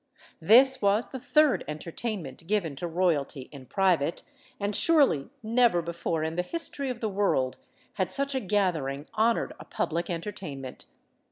This was the third entertainment given to royalty in private, and surely never before in the history of the world had such a gathering honored a public entertainment.